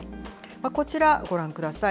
こちら、ご覧ください。